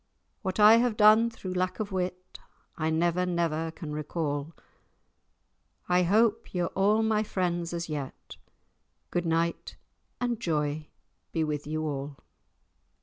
What I have done thro' lack of wit, I never, never can recall; I hope ye're a' my friends as yet; Good night and joy be with you all!"